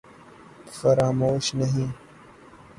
فراموش نہیں